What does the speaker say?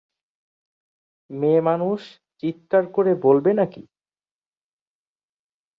মেয়েমানুষ চিৎকার করে বলবে নাকি?